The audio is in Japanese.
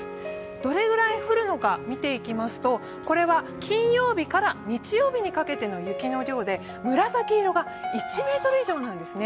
どれぐらい降るのか見ていきますと、これは金曜日から日曜日にかけての雪の量で紫色が１ｍ以上なんですね。